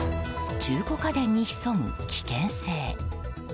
中古家電に潜む危険性。